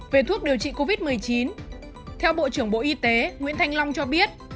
về thuốc điều trị covid một mươi chín theo bộ trưởng bộ y tế nguyễn thanh long cho biết